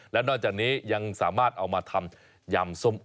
และนอกจากนี้ยังสามารถเอามาทำยำส้มโอ